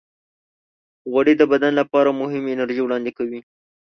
غوړې د بدن لپاره مهمه انرژي وړاندې کوي.